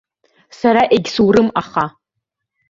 Сара егьсурым, аха.